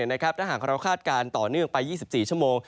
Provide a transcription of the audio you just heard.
ถ้าหากเราคาดการณ์ต่อเนื่องไป๒๔ชั่วโมง